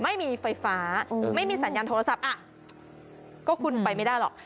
ไม่มีไฟฟ้าไม่มีสัญญาณโทรศัพท์อ่ะก็คุณไปไม่ได้หรอก